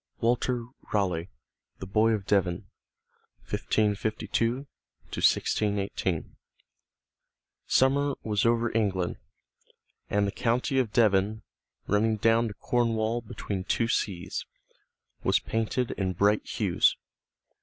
III Walter Raleigh The Boy of Devon: 1552 1618 Summer was over England, and the county of Devon, running down to Cornwall between two seas, was painted in bright hues.